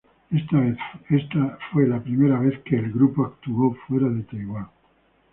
Esta fue la primera vez del grupo actuando fuera de Taiwán.